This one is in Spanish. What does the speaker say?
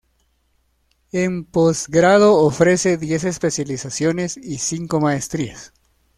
En posgrado ofrece diez especializaciones y cinco maestrías.